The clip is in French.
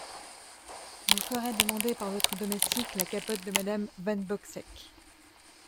Vous ferez demander par votre domestique la capote de madame Van-Bogseck…